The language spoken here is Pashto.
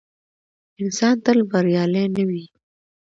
انسان تل بریالی نه وي.